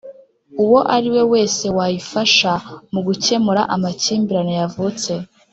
uwo ari we wese wayifasha mugukemura amakimbirane yavutse